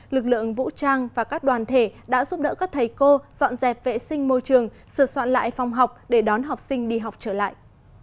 lực lượng vũ trang và các đoàn thể đã giúp đỡ các thầy cô dọn dẹp vệ sinh môi trường sửa soạn lại phòng học để đón học sinh đi học trở lại